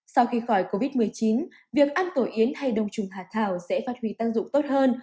sau khi khỏi covid một mươi chín việc ăn tổ yến hay đông trùng hạ thảo sẽ phát huy tác dụng tốt hơn